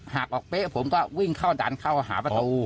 หากออกเป๊ะผมก็วิ่งเข้าดันเข้าหาประตู